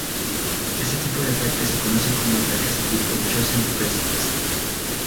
Este tipo de ataques se conocen como ataques de tipo chosen-prefix.